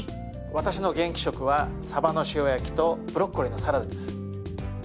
私の元気食はサバの塩焼きとブロッコリーのサラダです。